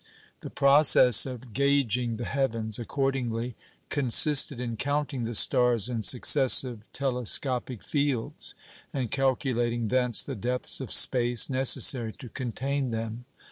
The process of "gauging the heavens," accordingly, consisted in counting the stars in successive telescopic fields, and calculating thence the depths of space necessary to contain them.